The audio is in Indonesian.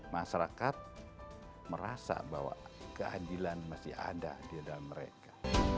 masyarakat merasa bahwa keadilan masih ada di dalam mereka